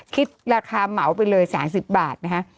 คิดราคาเหมาไปเลย๓๐บาทนะคะ